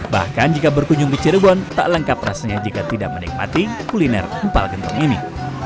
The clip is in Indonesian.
bahkan jika berkunjung ke cirebon tak lengkap rasanya jika tidak menikmati kuliner empal gentong ini